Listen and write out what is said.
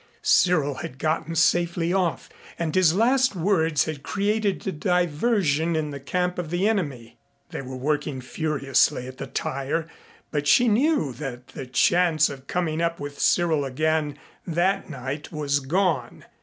Cyril had gotten safely off, and his last words had created a diversion in the camp of the enemy. They were working furiously at the tire, but she knew that the chance of coming up with Cyril again that night was gone.